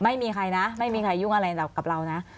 ไม่มีใครนะไม่มีใครยุ่งอะไรกับเรานะ